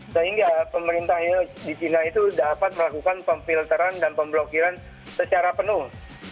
sehingga pemerintah di china itu dapat melakukan pemfilteran dan pemblokiran secara penuh